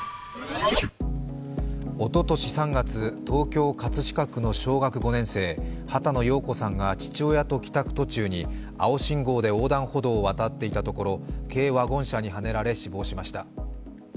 おととし３月、東京・葛飾区の小学５年生波多野燿子さんが父親と帰宅途中に青信号で横断歩道を渡っていたところ軽ワゴン車にはねられ死亡しました。